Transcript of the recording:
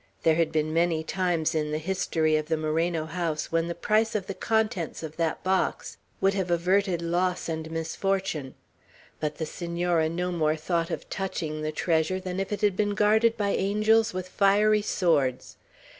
There had been many times in the history of the Moreno house when the price of the contents of that box would have averted loss and misfortune; but the Senora no more thought of touching the treasure than if it had been guarded by angels with fiery swords.